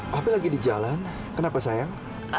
tapi lagi di jalan kenapa sayang